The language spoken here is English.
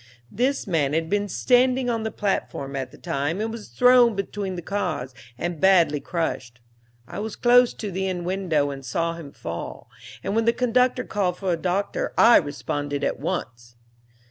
"This man had been standing on the platform at the time and was thrown between the cars and badly crushed. I was close to the end window and saw him fall, and when the conductor called for a doctor I responded at once.